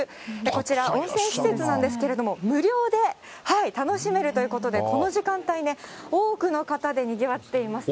こちら、温泉施設なんですけれども、無料で楽しめるということで、この時間帯ね、多くの方でにぎわっています。